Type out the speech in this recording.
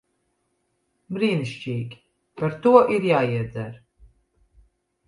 Brīnišķīgi. Par to ir jāiedzer.